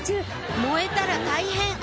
燃えたら大変！